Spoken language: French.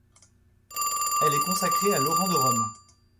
Elle est consacrée à Laurent de Rome.